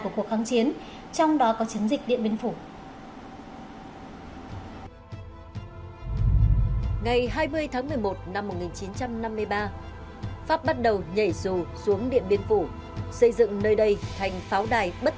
của cuộc kháng chiến trong đó có chiến dịch điện biên phủ